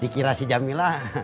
dikira si jamila